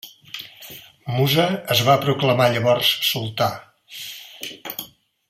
Musa es va proclamar llavors sultà.